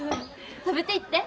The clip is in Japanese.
食べていって！